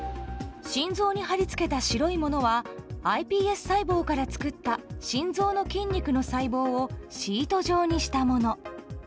心臓に貼り付けた白いものはｉＰＳ細胞から作った心臓の筋肉の細胞をシート状にしたもの。